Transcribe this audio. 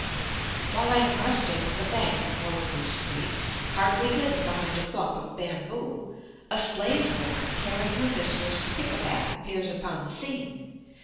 While I am resting on the bank of one of these creeks, partly hidden behind a clump of bamboo, a slave woman carrying her mistress pick a back appears upon the scene.